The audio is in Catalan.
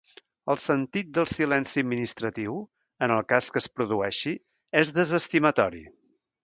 El sentit del silenci administratiu, en el cas que es produeixi, és desestimatori.